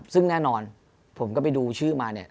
ซึ่งแน่นอนผมก็ไปดูชื่อมาเนี่ย